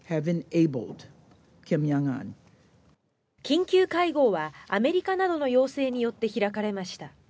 緊急会合はアメリカなどの要請によって開かれました。